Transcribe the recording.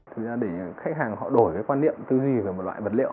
thực ra để khách hàng họ đổi cái quan niệm tư duy về một loại vật liệu